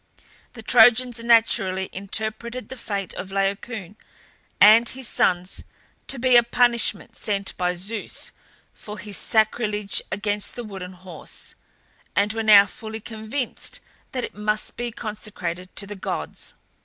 The Trojans naturally interpreted the fate of Laocoon and his sons to be a punishment sent by Zeus for his sacrilege against the wooden horse, and were now fully convinced that it must be consecrated to the gods.